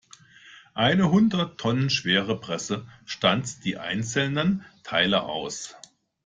Eine hundert Tonnen schwere Presse stanzt die einzelnen Teile aus.